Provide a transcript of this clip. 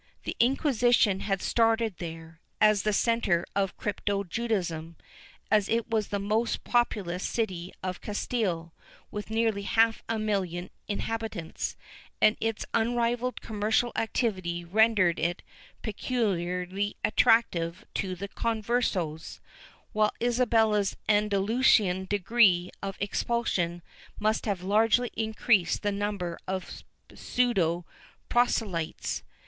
The Inquisition had started there, as the centre of crypto Judaism; it was the most populous city of Castile, with nearly half a million of inhabitants, and its unrivalled commercial activity rendered it peculiarly attractive to the Conversos, while Isabella's Andalusian decree of expulsion must have largely increased the number of pseudo proselytes.